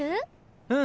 うん。